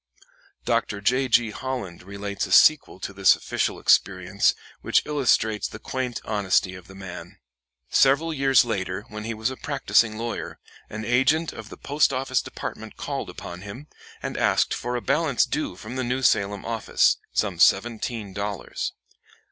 Dr. J. G. Holland relates a sequel to this official experience which illustrates the quaint honesty of the man. Several years later, when he was a practicing lawyer, an agent of the Post office Department called upon him, and asked for a balance due from the New Salem office, some seventeen dollars.